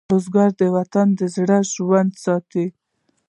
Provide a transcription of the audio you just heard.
بزګر د وطن زړه ژوندی ساتي